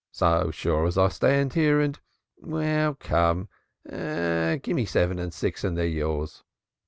So sure as I stand here and well, come, gie's seven and six and they're yours.